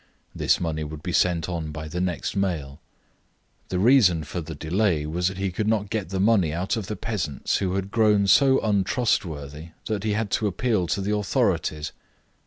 This money would be sent on by the next mail. The reason for the delay was that he could not get the money out of the peasants, who had grown so untrustworthy that he had to appeal to the authorities.